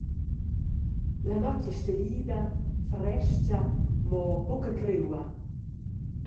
La notg ei stellida, frestga, mo buca criua.